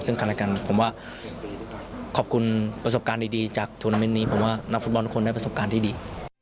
ซึ่งกันและกันผมว่าขอบคุณประสบการณ์ดีจากทูนาเมนต์นี้ผมว่านักฟุตบอลทุกคนได้ประสบการณ์ที่ดี